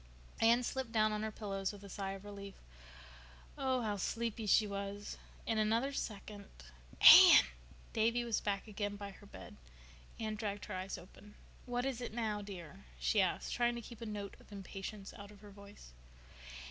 Anne slipped down on her pillows with a sigh of relief. Oh—how sleepy—she was! In another second— "Anne!" Davy was back again by her bed. Anne dragged her eyes open. "What is it now, dear?" she asked, trying to keep a note of impatience out of her voice.